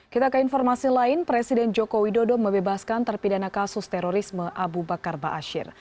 kita ke informasi lain presiden jokowi dodo mebebaskan terpidana kasus terorisme abu bakar ba'asyir